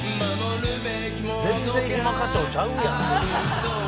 「全然暇課長ちゃうやん」